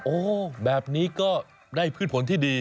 โอ้แบบนี้ก็ได้ผลิตผลที่ดี